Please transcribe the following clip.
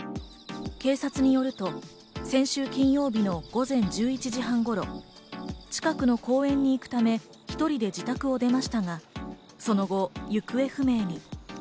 警察によると、先週金曜日の午前１１時半頃、近くの公園に行くため１人で自宅を出ましたが、その後、行方不明に。